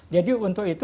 jadi untuk itu